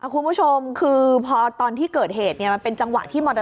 คุณผู้ชมคือพอตอนที่เกิดเหตุมันเป็นจังหวะที่มอเตอร์